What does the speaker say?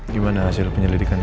gimana hasil penyelidikannya